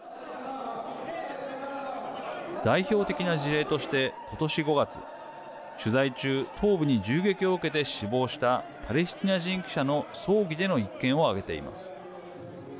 代表的な事例として今年５月、取材中頭部に銃撃を受けて死亡したパレスチナ人記者の葬儀での一件を挙げています。